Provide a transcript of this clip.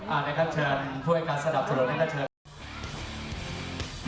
อ่านะครับเชิญผู้แอคการสระดับสรุนนะครับเชิญ